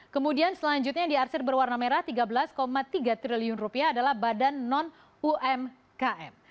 kemudian selanjutnya yang diarsir berwarna merah tiga belas tiga triliun rupiah adalah badan non umkm